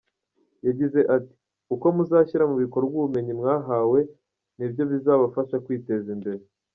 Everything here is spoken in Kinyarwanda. Yagize ati :' uko muzashyira mu bikorwa ubumenyi mwahawe ni byo bizabafasha kwiteza imbere.